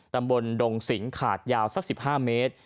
ตำบลดงสิงขาดยาวสัก๑๕เมตร